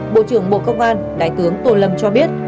bộ trưởng bộ công an đại tướng tô lâm cho biết